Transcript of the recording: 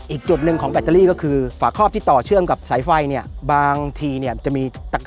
อีกจุดหนึ่งของแบตเตอรี่ก็คือฝาคอบที่ต่อเชื่องกับสายไฟ